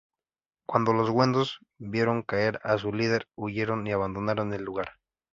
Cuando los wendos vieron caer a su líder, huyeron y abandonaron el lugar.